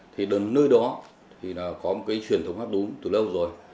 thì nơi đó thì là có một cái truyền thống hát đúng từ lâu rồi